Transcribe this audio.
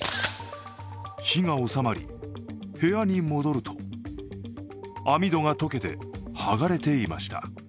火が収まり、部屋に戻ると網戸が溶けて、剥がれていました。